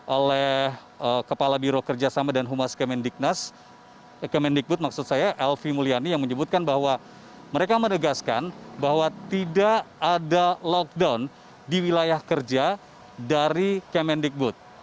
oleh kepala biro kerjasama dan humas kemendikbud maksud saya elvi mulyani yang menyebutkan bahwa mereka menegaskan bahwa tidak ada lockdown di wilayah kerja dari kemendikbud